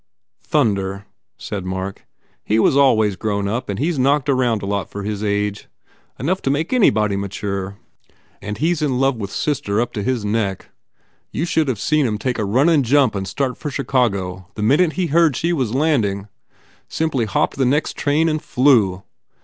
"Thunder," said Mark, "He was always grown up and he s knocked around a lot for his age. Enough to make anybody mature! And he s in love with sister up to his neck. You should have seen him take a runnin jump and start for Chi cago the minute he heard she was landing! Simply hopped the next train and flew!